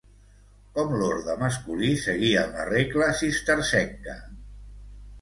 Com l'orde masculí, seguien la regla cistercenca.